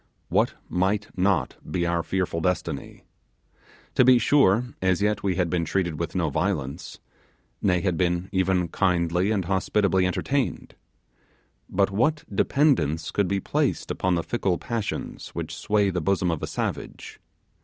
What might not be our fearful destiny? To be sure, as yet we had been treated with no violence; nay, had been even kindly and hospitably entertained. But what dependence could be placed upon the fickle passions which sway the bosom of a savage?